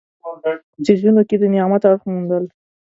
په څیزونو کې د نعمت اړخ موندل.